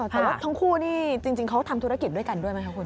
แต่ว่าทั้งคู่นี่จริงเขาทำธุรกิจด้วยกันด้วยไหมคะคุณ